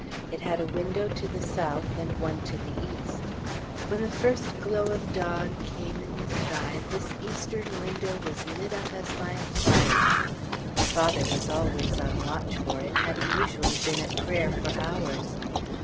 It had a window to the south and one to the east. When the first glow of dawn came in the sky, this eastern window was lit up as by a fire. The Father was always on watch for it, having usually been at prayer for hours.